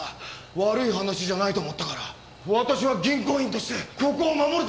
悪い話じゃないと思ったから私は銀行員としてここを守るために乗ったんだ。